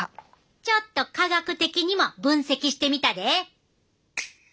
ちょっと科学的にも分析してみたで。